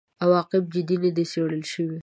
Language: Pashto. عواقب جدي نه دي څېړل شوي.